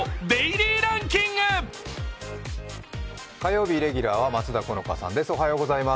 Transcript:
火曜日レギュラーは松田好花さんです。